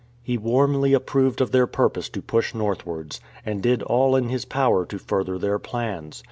He warmly approved of their purpose to push northwards, and did all in his power to further their plans.